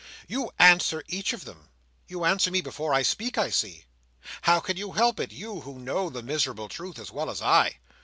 "You answer each of them. You answer me before I speak, I see. How can you help it; you who know the miserable truth as well as I?